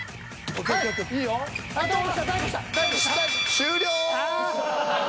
終了。